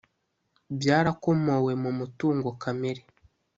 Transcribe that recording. byarakomowe mu mutungo kamere